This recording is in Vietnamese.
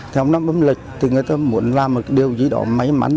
theo năm âm lịch thì người ta muốn làm một điều gì đó may mắn